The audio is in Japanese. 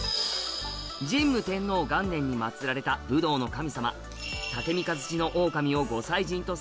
神武天皇元年に祭られた武道の神様